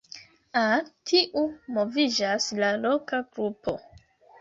Al tiu moviĝas la "Loka Grupo".